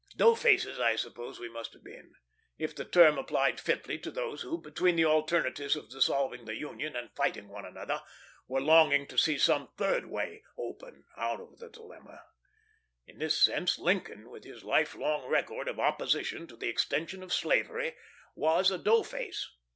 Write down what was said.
Doughfaces I suppose we must have been, if the term applied fitly to those who, between the alternatives of dissolving the Union and fighting one another, were longing to see some third way open out of the dilemma. In this sense Lincoln, with his life long record of opposition to the extension of slavery, was a doughface.